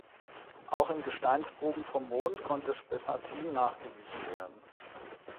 Auch in Gesteinsproben vom Mond konnte Spessartin nachgewiesen werden.